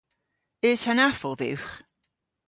Eus hanafow dhywgh?